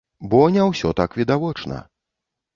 Бо не ўсё так відавочна.